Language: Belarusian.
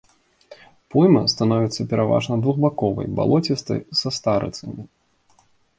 Пойма становіцца пераважна двухбаковай, балоцістай, са старыцамі.